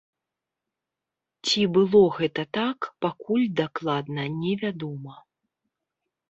Ці было гэта так, пакуль дакладна невядома.